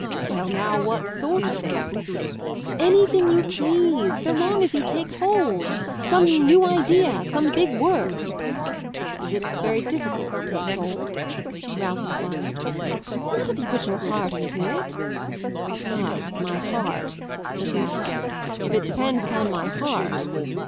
"Well, now, what sort of thing?" "Anything you please, so long as you take hold. Some new idea, some big work." "Is it very difficult to take hold?" Ralph enquired. "Not if you put your heart into it." "Ah, my heart," said Ralph. "If it depends upon my heart